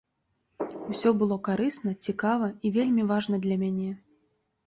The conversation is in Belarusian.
Усё было карысна, цікава і вельмі важна для мяне.